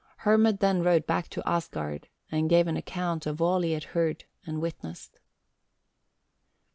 Hermod then rode back to Asgard, and gave an account of all he had heard and witnessed.